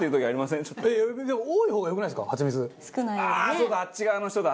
そうだあっち側の人だ。